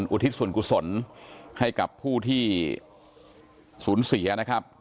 อุทิศส่วนกุศลให้กับผู้ที่สูญเสียนะครับ